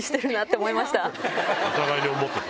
お互いに思ってる。